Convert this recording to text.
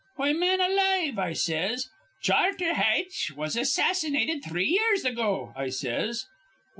'Why, man alive,' I says, 'Charter Haitch was assassinated three years ago,' I says.